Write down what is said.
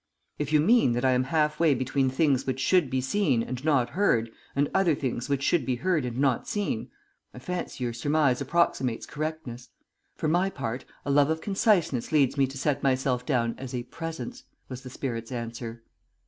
"If you mean that I am half way between things which should be seen and not heard, and other things which should be heard and not seen, I fancy your surmise approximates correctness. For my part, a love of conciseness leads me to set myself down as a Presence," was the spirit's answer.